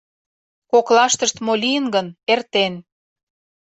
Коклаштышт мо лийын гын, эртен.